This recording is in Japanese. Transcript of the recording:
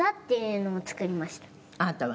あなたが？